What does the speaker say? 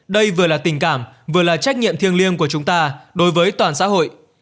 đây vừa là tình cảm vừa là trách nhiệm thiêng liêng của chúng ta đối với toàn xã hội